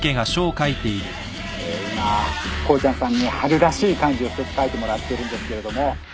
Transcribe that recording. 今こーちゃんさんに春らしい漢字をひとつ書いてもらってるんですけれども。